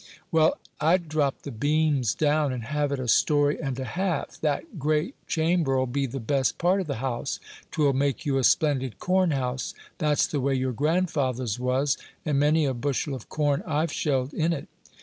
"Well, I'd drop the beams down, and have it a story and a half; that great chamber'll be the best part of the house; 'twill make you a splendid corn house; that's the way your grandfather's was, and many a bushel of corn I've shelled in it.